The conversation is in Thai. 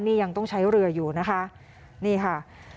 นี่ยังต้องใช้เรืออยู่นะคะนี่ค่ะ